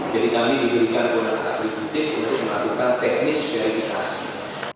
jadi kami diberikan kewenangan akreditik untuk melakukan teknis verifikasi